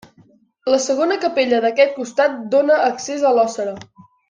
La segona capella d'aquest costat dóna accés a l'ossera.